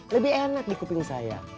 lebih enak dikuping saya